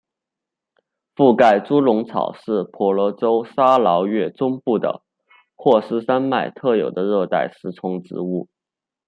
附盖猪笼草是婆罗洲沙捞越中部的霍斯山脉特有的热带食虫植物。